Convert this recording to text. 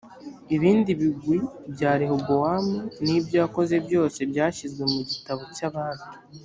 ibindi bigwi bya rehobowamu n’ibyo yakoze byose byashyizwe mu gitabo cya bami